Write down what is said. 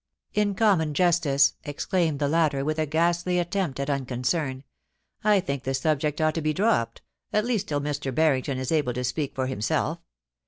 ' In common justice,' exclaimed the latter, with a ghastly attempt at unconcern, 'I think the subject ought to be dropped, at least till Mr. Barrington is able to speck for himself.